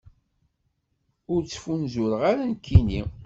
Ur ttfunzureɣ ara, nekkini.